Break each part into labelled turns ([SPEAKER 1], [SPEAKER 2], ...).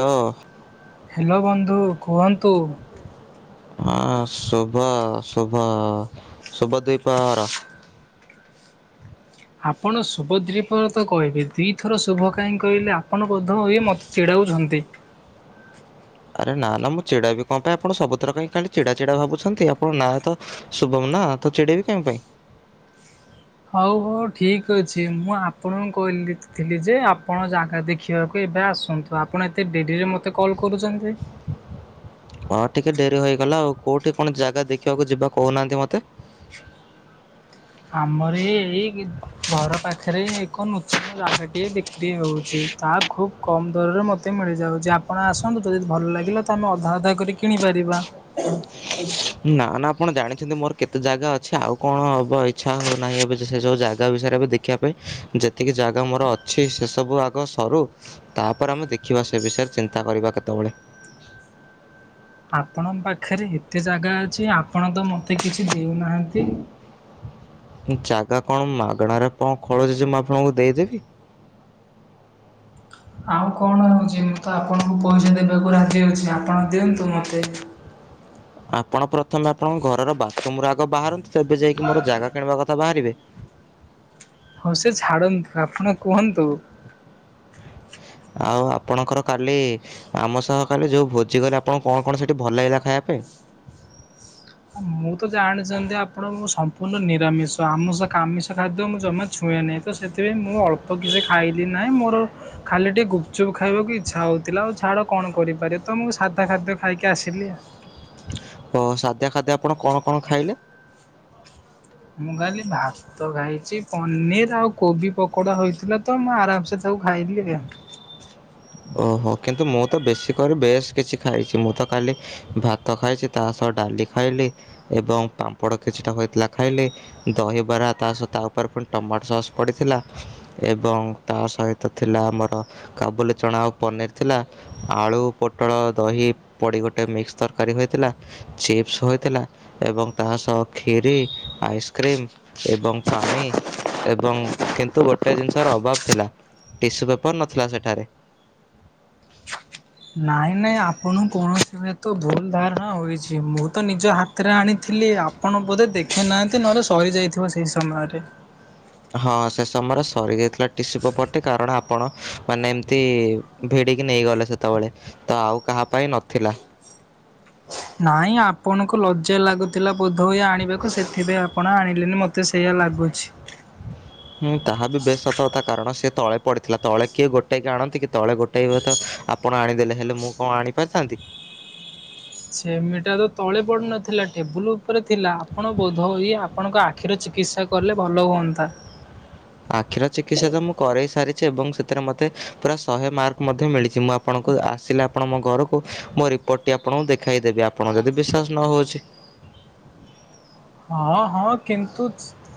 [SPEAKER 1] Hello
[SPEAKER 2] hello ବନ୍ଧୁ କୁହନ୍ତୁ।
[SPEAKER 1] ହଁ ଶୁଭ ଶୁଭ ଶୁଭ ଦ୍ୱିପ୍ରହର।
[SPEAKER 2] ଆପଣ ଶୁଭ ଦ୍ୱିପହର ତ କହିବେ ଦିଥର ଶୁଭ କାହିଁ କହିଲେ ଆପଣ ବୋଧ ହୁଏ ମତେ ଚିଡଉ ଉଛନ୍ତି।
[SPEAKER 1] [inaudible] ଆରେ ନା ନା ମୁଁ ଚିଡାଇ ବି କଣ ପାଇଁ ଆପଣ ସବୁଥର କାଇଁ ଚିଡା ଚିଡା ଭାବୁଛନ୍ତି ଆପଣ ନାଁ ତ ଶୁଭ ନା ତ ଚିଡେଇବ କଣ ପାଇଁ?
[SPEAKER 2] ହଉ ହଉ ଠିକ୍ ଅଛି ମୁଁ ଆପଣଙ୍କୁ କହିଥିଲି ଯେ ଆପଣ ଜାଗା ଦେଖିବାକୁ ଏବେ ଆସୁ ଆସନ୍ତୁ ଆପଣ ଏତେ ଡେରିରେ ମତେ କଲ୍ କରୁଛନ୍ତି ଯେ?
[SPEAKER 1] [inaudible] ହଁ ଟିକେ ଡେରି ହେଇଗଲା ଆଉ। କୋଉଠି କଣ ଜାଗା ଦେଖିବାକୁ ଯିବା କହୁନାହାନ୍ତି ମୋତେ?
[SPEAKER 2] ଆମର ଏ ଏଇ ଘର ପାଖରେ ଏକ ନୂତନ ଜାଗାଟିଏ ବିକ୍ରି ହଉଛି। ତାହା ଖୁବ୍ କମ୍ ଦରରେ ମୋତେ ମିଳିଯାଉ ଯେ ଆପଣ ଆସନ୍ତୁ ଯଦି ଭଲ ଲାଗିଲା ତ ଆମେ ଅଧା ଅଧା କରି କିଣିିବା। କରିବା।
[SPEAKER 1] ନା ନା ଆପଣ ଜାଣିଛନ୍ତି ମୋର କେତେ ଜାଗା ଅଛି ଆଉ କଣ ହବ ଇଚ୍ଛା ହଉନାହିଁ ଏବେ ସେ ସବୁ ଜାଗା ବି ଦେଖିବା ପାଇଁ ଯେତିକି ଜାଗା ମୋର ଅଛି ସେ ସବୁ ଆଗ ସରୁ ତାପରେ ଆମେ ଦେଖିବା। ସେ ବିଷୟରେ ଚିନ୍ତା କରିବା କେତେବେଳେ?
[SPEAKER 2] ଆପଣଙ୍କ ପାଖରେ ଏତେ ଜାଗା ଅଛି ଆପଣ ତ ମତେ କିଛି ଦେଉନାହାନ୍ତି।
[SPEAKER 1] ଯାଗା କଣ ମାଗଣାରେ କଣ ଖଳଯାଉଛି ମୁଁ ଆପଣଙ୍କୁ ଦେଇଦେବି?
[SPEAKER 2] ଆଉ କଣ ହଉଚି ମୁଁ ତ ଆପଣଙ୍କୁ ପଇସା ଦେବାକୁ ରାଜି ଅଛି ଆପଣ ଦିଅନ୍ତୁ ମତେ?
[SPEAKER 1] [inaudible] ଆପଣ ପ୍ରଥମେ ଆପଣଙ୍କ ଘରର ବାଥରୁମ ରୁ ଆଗ ବାହାରନ୍ତୁ ତେବେ ଯାଇକି ମୋର ଜାଗା କିଣିବା କଥା ବାହାରିବେ?
[SPEAKER 2] ହଁ ସେ ଛାଡନ୍ତୁ ଆପଣ କୁହନ୍ତୁ।
[SPEAKER 1] [inaudible] ଆଉ ଆପଣଙ୍କର କାଲି ଆମ ସହ କାଲି ଯେଉଁ ଭୋଜି କଲେ ଆପଣ କଣ କଣ ସେଇଠି ଭଲ ଲାଗିଲା ଖାଇବା ପାଇଁ? [inaudible]
[SPEAKER 2] ମୁଁ ତ ଜାଣିଛନ୍ତି ଆପଣଙ୍କ ସମ୍ପୂର୍ଣ୍ଣ ନିରାମିଷ ଆମିଷ ଆମିଷ ଖାଦ୍ୟ ମୁଁ ଜମା ଛୁଏଁନି। ତ ସେଥିପାଇଁ ମୁଁ ଅଳ୍ପ କିଛି ଖାଇଲି ନାହିଁ ମୋର ଖାଲି ଟିକେ ଗୁପଚୁପ୍ ଖାଇବାକୁ ଇଚ୍ଛା ହଉଥିଲା ଆଉ। ଛାଡ଼ କଣ କରିପାରିବ ତ ମୁଁ ସାଧା ଖାଦ୍ୟ ଖାଇକି ଆସିଲି।
[SPEAKER 1] ଓ ସାଦା ଖାଦ୍ୟ ଆପଣ କଣ କଣ ଖାଇଲେ?
[SPEAKER 2] ମୁଁ କାଲି ଭାତ ଖାଇଛି, ପନିର ଆଉ, କୋବି ପକୋଡା ହେଇଥିଲା ତ ମୁଁ ଆରାମସେ କୁ ଖାଇଥିଲି ଆଜ୍ଞା।
[SPEAKER 1] [inaudible] ଓହୋ। କିନ୍ତୁ ମୁଁ ତ ବେଶୀ କରି ବେଶ କିଛି ଖାଇଛି ମୁଁ ତ କାଲି ଭାତ ଖାଇଛି ତା ସହ ଡାଲି ଖାଇଲି ଏବଂ ପାମ୍ପଡ କିଛିଟା ହୋଇଥିଲା ଖାଇଲି। ଦହିବରା ତାସହିତ ତା ଉପରେ ଏ ପୁଣି ଟମାଟ ସସ୍ ପଡ଼ିଥିଲା ଏବଂ ତାସହିତ ଥିଲା ଆମର କାବୁଲି ଚଣା ଆଉ ପନିର ଥିଲା। ଆଳୁ, ପୋଟଳ, ଦହି ପଡ଼ି ଗୋଟେ ମିକ୍ସ ତରକାରୀ ହୋଇଥିଲା ଚିପ୍ସ ହୋଇଥିଲା ଏବଂ ତା ସହ ଖିରି, ଆଇସ୍କ୍ରିମ ଏବଂ ପାଣି ଏବଂ କିନ୍ତୁ ଗୋଟେ ଜିନିଷର ଅଭାବ ଥିଲା, ଟିସୁ ପେପର ନଥିଲା ସେଠାରେ।
[SPEAKER 2] ନାଇଁ ନାଇଁ ଆପଣଙ୍କୁ କୌଣସି ହୁଏତ ଭୁଲ ଧାରଣା ହୋଇଛି। ମୁଁ ତ ନିଜ ହାତରେ ଆଣିଥିଲି ଲି ଆପଣ ବୋଧେ ଦେଖିନାହାଁନ୍ତି, ନହେଲେ ସରି ଯାଇଥିବ ସେଇ ସମୟରେ।
[SPEAKER 1] ହଁ ସେ ସମୟରେ ସରିଯାଇଥିଲା ଟିସୁ ପେପରଟି କାରଣ ଆପଣ ମାନେ ଏମତି ଭି ଡିକି ନେଇଗଲେ ସେତେବେଳେ, ତ ଆଉ କାହା ପାଇଁ ନଥିଲା।
[SPEAKER 2] ନାଇଁ ଆପଣଙ୍କୁ ଲଜ୍ଜ୍ୟା ଲାଗୁଥିଲା ବୋଧହୁଏ ଆଣିବାକୁ ସେଥିପାଇଁ ଆପଣ ଆଣିଲେନି ମତେ ସେଇଆ ଲାଗୁଛି।
[SPEAKER 1] [inaudible] ହୁଁ ତାହା ବି ବେଶ ସତକଥା। ବକାରଣ ସିଏ ତଳେ ପଡିଥିଲା ତଳେ କିଏ ଗୋଟେଇକି ଆଣନ୍ତି କି, ତଳେ ଗୋଟେଇବ ତ ଆପଣ ଆଣିଦେଲେ ହେଲେ ମୁଁ କଣ ଆଣିପାରିଥାନ୍ତି?
[SPEAKER 2] ସେମିଟା ତ ତଳେ ପଡୁନଥିଲା ଟେବୁଲ ଉପରେ ଥିଲା, ଆପଣ ବୋଧ ଇଏ ଆପଣଙ୍କ ଆଖିର ଚି ଚିକିତ୍ସା କଲେ ଭଲ ହୁଅନ୍ତା।
[SPEAKER 1] ଆଖିର ଚିକିତ୍ସା ତ ମୁଁ କରେଇ ସାରିଛି ଏବଂ ସେ ସେଥିରେ ମତେ ପୁରା ଶହେ ମାର୍କ ମଧ୍ୟ ମିଳିଚି। ମୁଁ ଆପଣଙ୍କୁ ଆସିଲେ ଆପଣ ମୋ ଘରକୁ, ମୋ ରିପୋର୍ଟ ଟି ଆପ ଆପଣଙ୍କୁ ଦେଖାଇଦେବି। ଆପଣଙ୍କ ଯଦି ବିଶ୍ୱାସ ନ ହଉଛି
[SPEAKER 2] ହଁ ହଁ କିନ୍ତୁ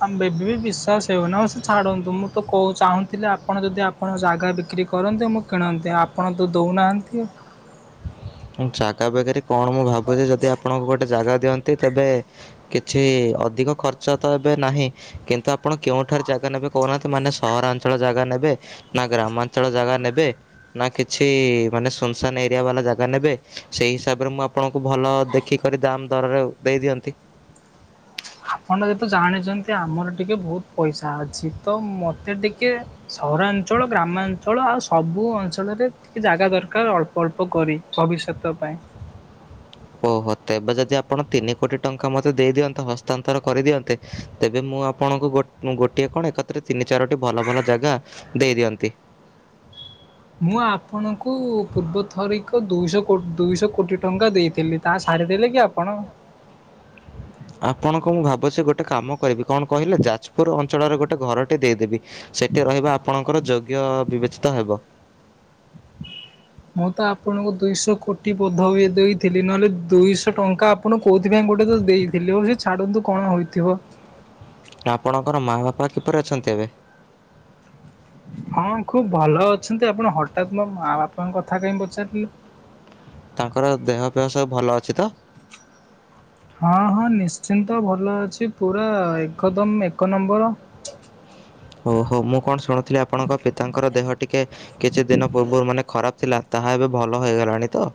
[SPEAKER 2] ଆମ ଏବେ ବି ବିଶ୍ଵାସ ହେଉନି। ସେ ଛାଡନ୍ତୁ ମୁଁ ତ କହୁ ଚାହୁଁ ଥିଲେ ଆପଣ ଯଦି ଆପଣଙ୍କ ଜାଗା ବିକ୍ରି କରନ୍ତେ, ମୁଁ କିଣନ୍ତି। ଆପଣ ତ ଦଉନାହାଁନ୍ତି ଆଉ।
[SPEAKER 1] ହ ଜାଗା ବିକ୍ରି କଣ ମୁଁ ଭାବୁଛି ଯଦି ଆପଣଙ୍କୁ ଗୋଟେ ଜାଗା ଦିଅନ୍ତି, ତେବେ କିଛି ଅଧିକ ଖର୍ଚ୍ଚ ତ ଏବେ ନାହିଁ କିନ୍ତୁ ଆପଣ କେଉଁଠାରେ ଜାଗା ନେବେ କହୁନାହାଁନ୍ତି? ମାନେ ସହରାଞ୍ଚଳ ଜାଗା ନେବେ, ନା ଗ୍ରାମାଞ୍ଚଳ ଜାଗା ନେବେ, ନା କିଛି ମାନେ ଶୂନଶାନ ଏରିଆ ବାଲା ଜା ଗା ନେବେ, ସେଇ ହିସାବରେ ମୁଁ ଆପଣଙ୍କୁ ଭଲ ଦେଖିକରି ଦାମ ଦରରେ ଦେଇ ଦିଅନ୍ତି। ହ
[SPEAKER 2] ଆପଣ ଯେହେତୁ ଜାଣିଚନ୍ତି ଆମର ଟିକେ ବହୁତ ପଇସା ଅଛି, ତ ମତେ ଟିକେ ସହରା ରାଞ୍ଚଳ ଗ୍ରାମାଞ୍ଚଳ ଆଉ ସବୁ ଅଞ୍ଚଳରେ ଟିକେ ଜାଗା ଦରକାର ଅଳ୍ପ ଅଳ୍ପ କରି, ଭବିଷ୍ୟତ ତ ପାଇଁ।
[SPEAKER 1] ହ ଓହ। ତେବେ ଯଦି ଆପଣ ତିନି କୋଟି ଟଙ୍କା ମୋତେ ଦେଇ ଦିଅନ୍ତ ହସ୍ତାନ୍ତର କରିଦିଅନ୍ତେ, ତେବେ ମୁଁ ଆପଣ ଗୋଟ୍ ଗୋଟିଏ କଣ ଏକାଥରେ ତିନି ଚାରଟି ଭଲ ଭଲ ଜାଗା ଦେଇ ଦିଅନ୍ତି।
[SPEAKER 2] ମୁଁ ଆପଣଙ୍କୁ ପୂର୍ବ ଥରିକ ଦୁଇଶହ ଦୁଇଶହ କୋଟି ଟଙ୍କା ଦେଇଥିଲି। ତା ସା [unintelligible] ଦେଲେକି ଆପଣ?
[SPEAKER 1] [inaudible] ଆପଣଙ୍କ ମୁଁ ଭାବୁଛି ଗୋଟେ କାମ କରିବି, କଣ କହିଲେ? ଯାଜପୁର ଅଞ୍ଚଳରେ ଗୋଟେ ଘରଟେ ଦେଇଦେବି। ସେଠି ରହିବା ଆପଣଙ୍କର ଯୋଗ୍ୟ ବିବେଚିତ ହେବ।
[SPEAKER 2] ମୁଁ ତ ଆପଣଙ୍କୁ ଦୁଇଶହ କୋଟି ବୋଧ ହୁଏ ଦେଇଥିଲି, ନହେଲେ ଦୁଇଶହ ଟଙ୍କା ଆପଣଙ୍କୁ କୋଉଥିପାଇଁ ଗୋଟେ ତ ଦେଇଥିଲି ।ହଉ ସେ ଛାଡନ୍ତୁ କଣ ହୋଇଥିବ।
[SPEAKER 1] ଆପଣଙ୍କର ମା ବାପା କିପରି ଅଛନ୍ତି ଏବେ?
[SPEAKER 2] ହଁ ଖୁବ ଭଲ ଅଛନ୍ତି। ଆପଣ ହଠାତ୍ ମୋ ମା ବାପାଙ୍କ କଥା କାହିଁ ପଚାରିଲେ?
[SPEAKER 1] ତାଙ୍କର ଦେହ ଫେହ ସବୁ ଭଲ ଅଛି ତ?
[SPEAKER 2] ହଁ ହଁ ନିଶ୍ଚିନ୍ତ ଭଲ ଅଛି। ପୁରା ଏକଦମ ଏକ ନମ୍ବର।
[SPEAKER 1] [inaudible] ଓହୋ। ମୁଁ କଣ ଶୁଣୁଥିଲି ଆପଣଙ୍କ ପିତାଙ୍କର ଦେହ ଟିକେ କିଛି ଦିନ ପୂର୍ବରୁ ମାନେ ଖରାପ ଥିଲା। ତାହା ଏବେ ଭଲ ହୋଇଗଲାଣି ତ?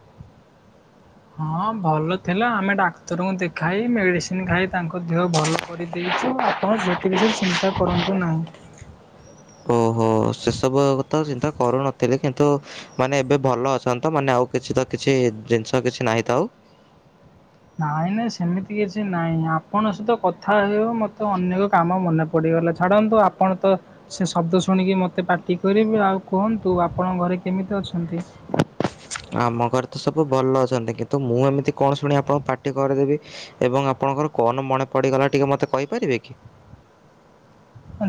[SPEAKER 2] ହଁ ଭଲ ଥିଲା, ଆମେ ଡାକ୍ତରଙ୍କୁ ଦେଖାଇ ମେଡିସିନ ଖାଇ ତାଙ୍କ ଦେହ ଭଲ କରିଦେଇ ଚୁ। ଆପଣ ସେଥି ଭିତରେ ଚିନ୍ତା କରନ୍ତୁ ନାହିଁ।
[SPEAKER 1] ହ ଓହୋ ସେସବୁ ତ ଚିନ୍ତା କରୁନଥିଲି କିନ୍ତୁ ମାନେ ଏବେ ଭଲ ଅଛନ୍ତିତ ମାନେ ଆ ଓ କିଛି ତ କିଛି ଜିନିଷ କିଛି ନାହିଁ ତ ଆଉ।
[SPEAKER 2] ନାଇଁ ନାଇଁ ସେମିତି କିଛି ନାଇଁ ଆପଣଙ୍କ ସହିତ କଥା ହେଉ ମତେ ଅନେକ କାମ ମନେ ପଡେ। ଗଲା ଛାଡ଼ନ୍ତୁ ଆପଣ ତ ସେ ଶବ୍ଦ ଶୁଣିକି ମତେ ପାଟି କରିବେ ଆଉ କୁହନ୍ତୁ ଆପଣଙ୍କ ଘରେ କେ କେମିତି ଅଛନ୍ତି?
[SPEAKER 1] ଆମ ଘରେ ତ ସବୁ ଭଲ ଅଛନ୍ତି କିନ୍ତୁ ମୁଁ ଏମିତି କଣ ଶୁଣି ଆପଣଙ୍କୁ ପାଟି କରିଦେବି ଏବଂ ଆପ ଆପଣଙ୍କର କଣ ମନେ ପଡିଗଲା ଟିକେ ମତେ କହିପାରିବେ କି?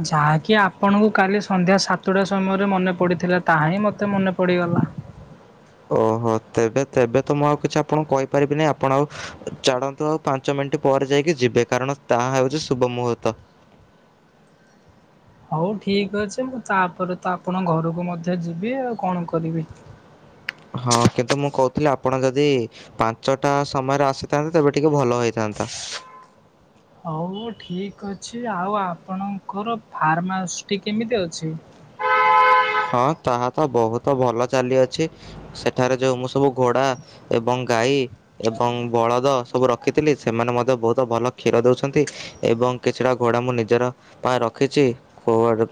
[SPEAKER 2] ଯାହାକି ଆପଣଙ୍କୁ କାଲି ସନ୍ଧ୍ୟା ସାତଟା ସମୟରେ ମନେ ପଡିଥିଲା ତାହା ହିଁ ମତେ ମନେ ପଡିଗଲା।
[SPEAKER 1] [inaudible] ଓହୋ ତେବେ ତେବେ ତ ମୁଁ ଆଉ କିଛି ଆପଣଙ୍କୁ କହିପାରିବିନି ଆପଣ ଆଉ ଚାଡ଼ନ୍ତୁ ଆଉ ପାଞ୍ଚ ମିନ ମିନଟ ପରେ ଯାଇକି ଯିବେ କାରଣ ତାହା ହେଉଛି ଶୁଭ ମୁହୂର୍ତ୍ତ
[SPEAKER 2] ହଉ ଠିକ ଅଛି ମୁଁ ତାପରେ ତ ଆପଣ ଘରକୁ ମଧ୍ୟ ଯିବି ଆଉ କଣ କରିବି।
[SPEAKER 1] ହ ହଁ କିନ୍ତୁ ମୁଁ କହୁଥିଲି ଆପଣ ଯଦି ପାଞ୍ଚଟା ସମୟରେ ଆସିଥାନ୍ତେ ତେବେ ଟିକେ ଭଲ ହେଇଥାନ୍ତା। ହନ୍ତା।
[SPEAKER 2] ହଉ ଠିକ ଅଛି ଆଉ ଆପଣଙ୍କର ଫାର୍ମହାଉସ ଟି କେମିତି ଅଛି?
[SPEAKER 1] ହୁଁ ହଁ ତାହା ତ ବହୁତ ଭଲ ଚାଲି ଅଛି ସେଠାରେ ଯୋଉ ମୁଁ ସବୁ ଘୋଡା ଏବଂ ଗାଈ ଏବଂ ବଳଦ ସବୁ ରଖିଥିଲି ସେମାନେ ମଧ୍ୟ ବହୁତ ଭଲ କ୍ଷୀର ଦଉଛନ୍ତି ଏବଂ ଏବଂ କିଛିଟା ଘୋଡ଼ା ମୁଁ ନିଜର ପାଇଁ ରଖିଛି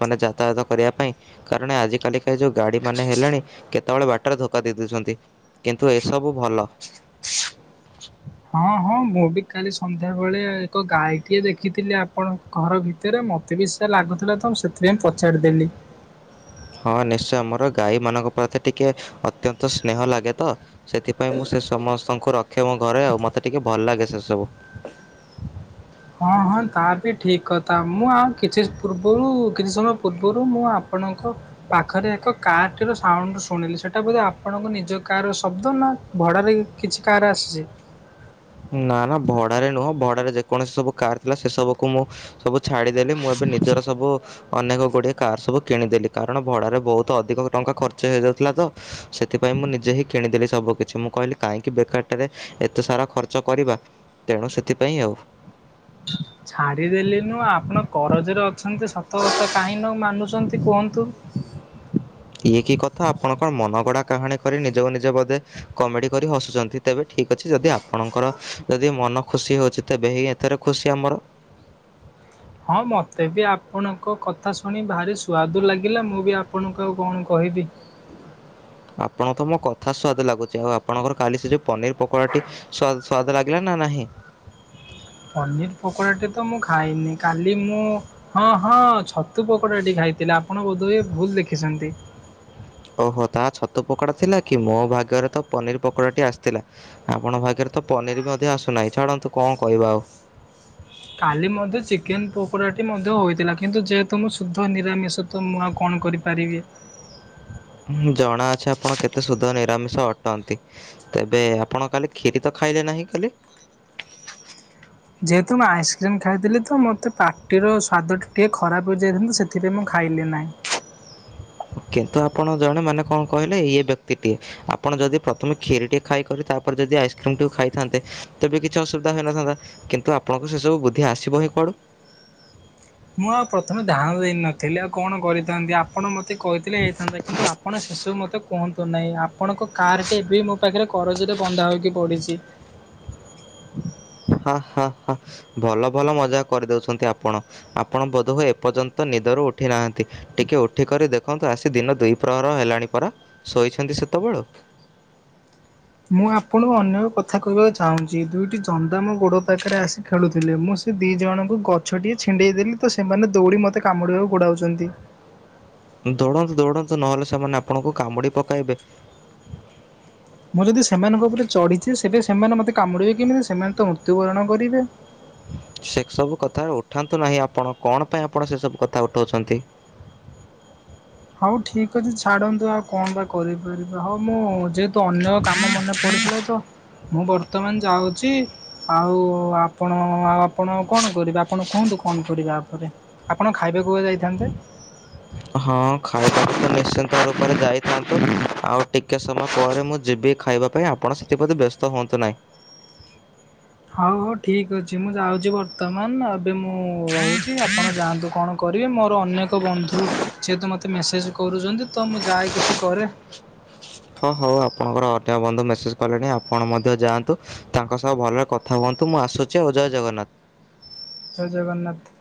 [SPEAKER 1] ମାନେ ଯାତାୟାତ କରିବା ପାଇଁ କାରଣ ଆଜିକାଲିକା ଏ ଯୋଉ ଗାଡି ମାନେ ହେଲେଣି କେତେବେଳେ ବାଟରେ ଧୋକା ଦେଇଦଉଛନ୍ତି କିନ୍ତୁ ଏସବୁ ଭ ଭଲ।
[SPEAKER 2] ହଁ ହଁ ମୁଁ ବି କାଲି ସନ୍ଧ୍ୟାବେେଳେ ଏକ ଗାଈଟିଏ ଦେଖିଥିଲି ଆପଣଙ୍କ ଘର ଭିତରେ ମତେ ବି ସେୟା ଲାଗୁଥିଲା ତ ମୁଁ ସେଥିପାଇଁ ପଚାରିଦେଲି।
[SPEAKER 1] ହ ହଁ ନିଶ୍ଚୟ ମୋର ଗାଈମାନଙ୍କ ପ୍ରତି ଟିକେ ଅତ୍ୟନ୍ତ ସ୍ନେହଁ ଲାଗେ ତ ସେଥିପାଇଁ ମୁଁ ସେ ସମସ୍ତଙ୍କୁ ରଖେ ମୋ ଘରେ ଆଉ ମୋତେ ଟିକେ ଭଲ ଲାଗେ ସେସବୁ
[SPEAKER 2] ହଁ ହଁ ତା ବି ଠିକ କଥା ମୁଁ ଆଉ କିଛି ପୂର୍ବରୁ କିଛି ସମୟ ପୂର୍ବରୁ ମୁଁ ଆପ ଆପଣଙ୍କ ପାଖରେ ଏକ କାର୍ ଟି ର ସାଉଣ୍ଡ ଶୁଣିଲି ସେଟା ବୋଧେ ଆପଣଙ୍କ ନିଜ କାର ର ଶବ୍ଦ ନା ଭଡାରେ କିଛି କାର ଆସିଛି।
[SPEAKER 1] ହ କୌଣସି ସବୁ କାର ଥିଲା ସେ ସବୁକୁ ମୁଁ ସବୁ ଛାଡିଦେଲି ମୁଁ ଏବେ ନିଜର ସବୁ ଅନେକ ଗୁଡ଼ିଏ କାର୍ ସବୁ କିଣିଦେଲି କାରଣ ଭଡ଼ାରେ ବହୁତ ଅଧିକ ଟଙ୍କା ଖର୍ଚ୍ଚ ହେଇଯାଉଥିଲା ତ ସେଥିପାଇଁ। ମୁଁ ନିଜେହିଁ କିଣିଦେଲି ସବୁ କିଛି ମୁଁ କହିଲି କାହିଁକି ବେକାର ଟାରେ ଏତେ ସାରା ଖର ଚ କରିବା ତେଣୁ ସେଥିପାଇଁ ଆଉ।
[SPEAKER 2] ଛାଡିଦେଲିନୁ ଆପଣ କରଜରେ ଅଛନ୍ତି ସତ ଶତ କାହିଁ ନ ମାନୁଛନ୍ତି କୁହନ୍ତୁ।
[SPEAKER 1] ହ ଇଏ କି କଥା ଆପଣ କଣ ମନ ଗଡା କାହାଣୀ କରି ନିଜ ନିଜ ବୋଧେ କମେଡି କରି ହସୁଛନ୍ତି ତେବେ ଠିକ୍ ଅଛି ଯଦି ଆପଣଙ୍କର ଯଦି ମନ ଖୁସି ହଉଛି ତେବେ ହେଇଥିରେ ଖୁସି ଆମର। [inaudible]
[SPEAKER 2] ହଁ ମତେ ବି ଆପଣଙ୍କ କଥା ଶୁଣି ଭାରି ସୁଆଦୁ ଲାଗିଲା ମୁଁ ବି ଆପଣଙ୍କୁ ଆଉ କଣ କହିବି। ଇବି
[SPEAKER 1] [inaudible] ଆପଣ ତ ମୋ କଥା ସ୍ଵାଦ ଲାଗୁଛି ଆଉ ଆପଣଙ୍କର କାଲି ସେ ଯୋଉ ପନିର ପକୋଡାଟି ସ୍ଵାଦ ଲାଗିଲା ନା ନା ନାହିଁ।
[SPEAKER 2] ପନିର ପକୋଡାଟି ତ ମୁଁ ଖାଇନି କାଲି ମୁଁ ହଁ ହଁ ଛତୁ ପକୋଡାଟି ଖାଇ ଥିଲେ ଆପଣ ବୋଧ ଭୁଲ ଦେଖିଛନ୍ତି।
[SPEAKER 1] ଁ ଓହୋ ତା ଛତୁ ପକୋଡା ଥିଲା କି ମୋ ଭାଗରେ ତ ପନିର ପକୋଡ଼ା ଟି ଆସିଥିଲା ଆପଣ ଭାଗରେ ତ ପନିର ମଧ୍ୟ ଆସୁନାହିଁ ଛାଡ଼ନ୍ତୁ କଣ କହିବା ଆଉ।
[SPEAKER 2] କାଲି ମଧ୍ୟ ଚିକେନ ପକୋଡ଼ା ଟି ମଧ୍ୟ ହୋଇଥିଲା। କିନ୍ତୁ ଯେହେତୁ ମୁଁ ଶୁଦ୍ଧ ନିରାମିଷ ତ ମୁଁ ଆଉ କଣ କରିପାରିବେ
[SPEAKER 1] [inaudible] ହଁ ଜଣା ଅଛି ଆପଣ କେତେ ସୁଧ ନିରାମିଷ ଅଟନ୍ତି। ତେବେ ଆପଣ କାଲି କ୍ଷିରି ତ ଖାଇଲେନି? କାହିଁକି କହିଲେ?
[SPEAKER 2] ଯେହେତୁ ମୁଁ ଆଇସ୍କ୍ରିମ ଖାଇଥିଲି ତ ମୋତେ ପାଟିର ସ୍ଵାଦ ଟିକେ ଖରାପ ହେଇଯାଇଥା ସେଥିପାଇଁ ମୁଁ ଖା ଖାଇଲି ନାହିଁ।
[SPEAKER 1] କିନ୍ତୁ ଆପଣ ଜଣେ ମାନେ କଣ କହିଲେ ଇଏ ବ୍ୟକ୍ତିଟିଏ ଆପଣ ଯଦି ପ୍ରଥମେ କ୍ଷୀରିଟିଏ ଖାଇକ ତାପରେ ଯଦି ଆଇସ୍କ୍ରିମ୍ ଠକୁ ଖାଇଥାନ୍ତେ, ତେବେ କିଛି ଅସୁବିଧା ହୋଇନଥାନ୍ତା। କିନ୍ତୁ ଆପଣଙ୍କୁ ସେ ସବୁ ବୁଦ୍ଧି ଆସିବ ହିଁ ପଡୁ
[SPEAKER 2] ମୁଁ ଆଉ ପ୍ରଥମେ ଧ୍ୟାନ ଦେଇନଥିଲି। ଆଉ କଣ କରିଥାନ୍ତି ଆପଣ ମତେ କହିଥିଲେ ହେଇଥାନ୍ତା କିନ୍ତୁ ଆପଣ ଶ ତୁ ମତେ କୁହନ୍ତୁ ନାହିଁ ଆପଣଙ୍କ କାର ଟ ଏବେ ମୋ ପାଖରେ କରଜରେ ବନ୍ଧା ହୋଇକି ପଡିଛି।
[SPEAKER 1] ହଁ ହଁ ହଁ ଭଲ ଭଲ ମଜା କରିଦଉଛନ୍ତି ଆପଣ ଆପଣ ବୋଧହୁ ଏପର୍ଯ୍ୟନ୍ତ ନିଦରୁ ଉଠ ଉଠିନାହାନ୍ତି ଟିକିଏ ଉଠିକରି ଦେଖନ୍ତୁ ଆସି ଦିନ ଦୁଇ ପ୍ରହର ହେଲାଣି ପରା ଶୋଇଛନ୍ତି ସେତେବେଳୁ।
[SPEAKER 2] ମୁଁ ଆପଣଙ୍କୁ ଅନ୍ୟ କଥା କହିବାକୁ ଚାହୁଁଛି ଦୁଇଟି ଜନ୍ଦା ମୋ ଗୋଡ ପାଖରେ ଆସି ଖେଳୁଥିଲେ। ମୁଁ ସେ ସେ ଦିଇ ଜଣଙ୍କୁ ଗଛ ଟିଏ ଛିଣ୍ଡେଇ ଦେଲି ତ ସେମାନେ ଦୌଡି ମତେ କାମୁଡିବାକୁ ଗୋଡାଉଛନ୍ତି।
[SPEAKER 1] ଦୌଡନ୍ତୁ ଦୌଡନ୍ତୁ ନହେଲେ ସେମାନେ ଆପଣଙ୍କୁ କାମୁଡି ପକାଇବେ।
[SPEAKER 2] ମୁଁ ଯଦି ସେମାନଙ୍କ ଉପରେ ଚଢ଼ିଛି, ସେବେ ସେମାନେ ମତେ କାମୁଡ଼ିବେ କେମିତି? ସେମାନେ ତ ମୃତ୍ୟୁବରଣ କରିବେ।
[SPEAKER 1] ସେସବୁ କଥା ଉଠାନ୍ତୁ ନାହିଁ ଆପଣ। କଣପାଇଁ ଆପଣ ସେସବୁ କଥା ଉଠାଉଛନ୍ତି?
[SPEAKER 2] ହୋଉ ଠିକ ଅଛି ଛାଡନ୍ତୁ ଆଉ କଣ ବା କରିପାରିବା ହୋଉ ମୁଁ ଯେ ତୁ ଅନ୍ୟ କାମ [inaudible] ମନେ ପଡୁଥିବ ତ ମୁଁ ବର୍ତ୍ତମାନ ଯାଉଚି ଆଉ ଆପଣ ଆଉ ଆପଣ କଣ କରିବେ ଆପଣ କୁହନ୍ତୁ? କଣ କରିବା ଆପରେ ଆପଣ ଖାଇବାକୁ ଯାଇଥାନ୍ତେ
[SPEAKER 1] ହଁ ଖାଇବାକୁ ତ ନିଶ୍ଚିନ୍ତ ରୂପରେ ଯାଇଥାନ୍ତୁ। ଆଉ ଟିକେ ଟିକେ ସମୟ ପରେ ମୁଁ ଯିବି ଖାଇବା ପାଇଁ ଆପଣ ସେଥିପ୍ରତି ବ୍ୟସ୍ତ ହୁଅନ୍ତୁ ନାହିଁ।
[SPEAKER 2] ହୋଉ ହୋଉ ଠିକ ଅଛି ମୁଁ ଯାଉଛି ବର୍ତ୍ତମାନ ଏବେ ମୁଁ ରହୁଛି। [inaudible] ଆପଣ ଯାଆନ୍ତୁ କଣ କର କରିବି। ମୋର ଅନେକ ବନ୍ଧୁ ସିଏ ତ ମୋତେ ମେସେଜ କରୁଛନ୍ତି। ତ ମୁଁ ଯାଏ କିଛି କରେ।
[SPEAKER 1] ହଁ ହଉ ଆପଣଙ୍କର ବନ୍ଧୁ ମେସେଜ କଲେଣି। ଆପଣ ମଧ୍ୟ ଯାଆନ୍ତୁ। ତାଙ୍କ ସହ ଭଲରେ କଥା ହୁଅନ୍ତୁ। ମୁଁ ଆସୁଛି। ଆଉ ଜୟ ଜଗନ୍ନାଥ।
[SPEAKER 2] ଜୟେ ଜଗନ୍ନାଥ।